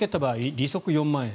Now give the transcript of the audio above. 利息４万円